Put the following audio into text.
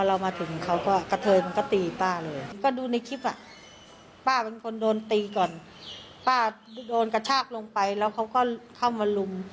เรามาถึงเขาก็กระเทยมันก็ตีป้าเลยก็ดูในคลิปอ่ะป้าเป็นคนโดนตีก่อนป้าโดนกระชากลงไปแล้วเขาก็เข้ามาลุม